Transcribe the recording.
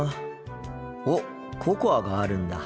おっココアがあるんだ。